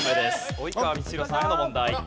及川光博さんへの問題。